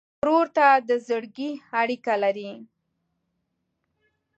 ورور ته د زړګي اړیکه لرې.